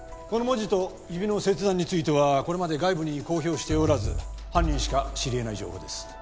この文字と指の切断についてはこれまで外部に公表しておらず犯人しか知りえない情報です